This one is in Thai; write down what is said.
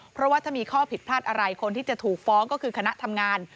เพราะว่าถ้ามีข้อผิดพลาดอะไรคนที่จะถูกฟ้องก็คือคณะทำงาน